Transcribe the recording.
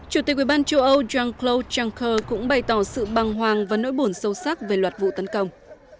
chủ tịch ubnd châu âu jean claude juncker cũng bày tỏ sự băng hoàng và nỗi buồn sâu sắc về loạt vụ tấn công